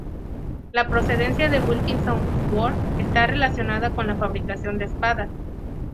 La procedencia de Wilkinson Sword está relacionada con la fabricación de espadas.